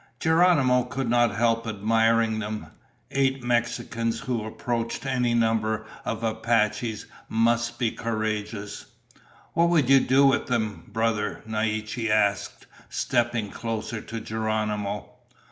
Geronimo could not help admiring them. Eight Mexicans who approached any number of Apaches must be courageous. "What would you do with them, brother?" Naiche asked, stepping closer to Geronimo.